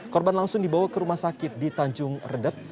korban langsung dibawa ke rumah sakit di tanjung redep